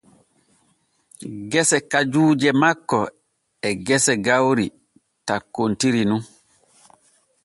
Gese kajuuje makko e gese gawri takkontiri nun.